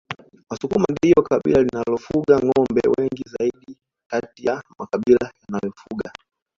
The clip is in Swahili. wasukuma ndio kabila linalofuga ngombe wengi zaidi kati ya makabila yanayofuga